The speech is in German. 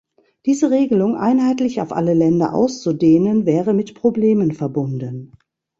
Diese Regelung einheitlich auf alle Länder auszudehnen, wäre mit Problemen verbunden.